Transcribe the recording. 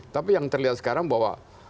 tapi yang terlihat sekarang bahwa